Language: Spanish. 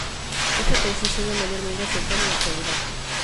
Esta tesis es la mayormente aceptada en la actualidad.